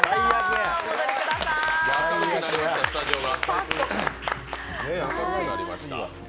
明るくなりました、スタジオが。